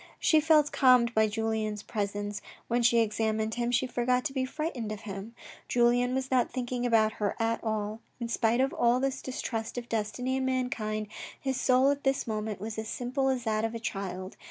She felt calmed by Julien's presence. When she examined him she forgot to be frightened of him. Julien was not thinking about her at all. In spite of all his distrust of destiny and mankind, his soul at this moment was as simple as that of a child.